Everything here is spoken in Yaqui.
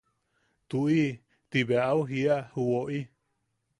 –Tuʼi– Ti bea au jiia ju woʼi.